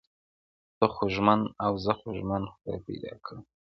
ته خوږمن او زه خواخوږی خدای پیدا کړم.